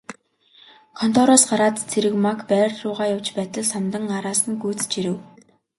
Контороос гараад Цэрэгмааг байр руугаа явж байтал Самдан араас нь гүйцэж ирэв.